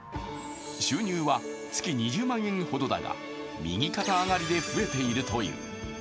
収入は月２０万円ほどだが右肩上がりで増えているという。